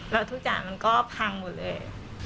แล้วทุกอย่างมันก็พังหมดเลย